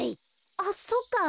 あっそっか。